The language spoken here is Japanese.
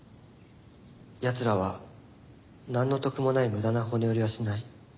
奴らはなんの得もない無駄な骨折りはしない。